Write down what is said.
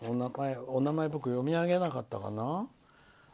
お名前、読み上げなかったかな？